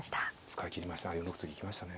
使い切りました。